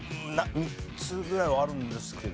３つぐらいはあるんですけど。